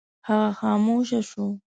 هغه خاموشه شوه.